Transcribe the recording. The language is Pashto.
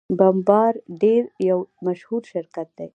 بمبارډیر یو مشهور شرکت دی.